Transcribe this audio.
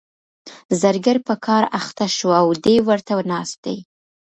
زرګر په کار اخته شو او دی ورته ناست دی.